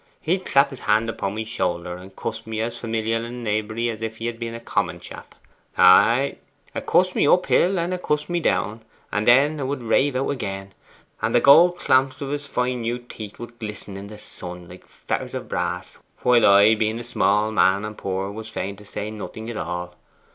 He'd clap his hand upon my shoulder and cuss me as familial and neighbourly as if he'd been a common chap. Ay, 'a cussed me up hill and 'a cussed me down; and then 'a would rave out again, and the goold clamps of his fine new teeth would glisten in the sun like fetters of brass, while I, being a small man and poor, was fain to say nothing at all.